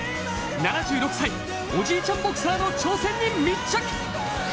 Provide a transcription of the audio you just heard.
７６歳、おじいちゃんボクサーの挑戦に密着。